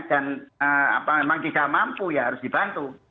dan apa memang tidak mampu ya harus dibantu